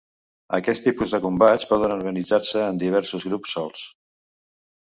Aquests tipus de combats poden organitzar-se en diversos grups solts.